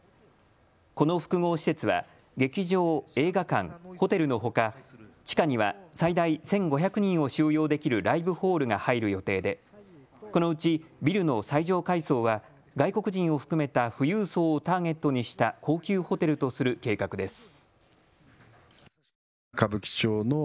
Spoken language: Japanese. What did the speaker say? この複合施設は、劇場、映画館、ホテルのほか、地下には最大１５００人を収容できるライブホールが入る予定でこのうちビルの最上階層は外国人を含めた富裕層をターゲットにした高級ホテルとする計画です。